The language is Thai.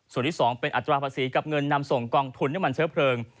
ส่วนที่๒เป็นอัตราภาษีกับเงินนำส่งกองทุนน้ำมันเชื้อเพลิง